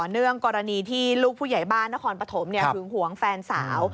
เนื่องกรณีที่ลูกผู้ใหญ่บ้านนครปฐมหึงหวงแฟนสาว